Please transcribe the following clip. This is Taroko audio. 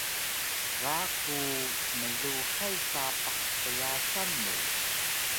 Ga ku smluhay sapah pyasan mu